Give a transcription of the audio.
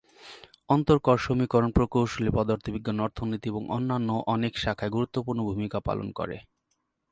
অন্তরক সমীকরণ প্রকৌশল, পদার্থবিজ্ঞান, অর্থনীতি এবং অন্যান্য অনেক শাখায় গুরুত্বপূর্ণ ভূমিকা পালন করে।